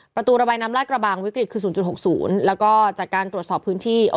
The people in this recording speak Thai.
ประตูระบายน้ำลาดกระบังวิกฤตคือ๐๖๐แล้วก็จากการตรวจสอบพื้นที่